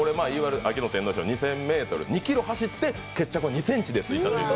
秋の天皇賞２０００ｍ走って、決着が２ｃｍでついたっていう。